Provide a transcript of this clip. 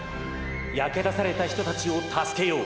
焼け出された人たちを助けよう。